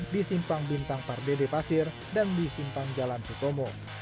di simpang bintang pardede pasir dan di simpang jalan sutomo